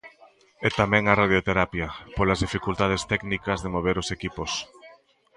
E tamén a radioterapia, polas dificultades técnicas de mover os equipos.